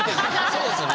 そうですよね。